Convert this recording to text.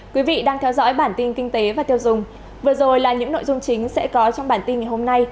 quý vị đang theo dõi bản tin kinh tế và tiêu dùng vừa rồi là những nội dung chính sẽ có trong bản tin ngày hôm nay